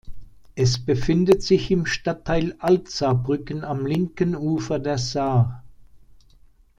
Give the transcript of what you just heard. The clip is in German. Es befindet sich im Stadtteil Alt-Saarbrücken am linken Ufer der Saar.